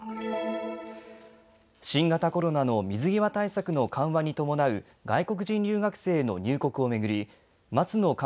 新型コロナの水際対策の緩和に伴う外国人留学生の入国を巡り松野